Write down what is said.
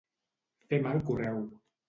Fer mal correu.